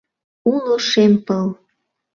Уло шем пыл.